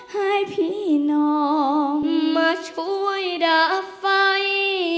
ให้พี่น้องมาช่วยดับไฟ